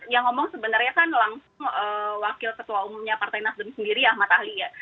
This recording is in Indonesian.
yang ngomong sebenarnya kan langsung wakil ketua umumnya partai nasdem sendiri ahmad ali ya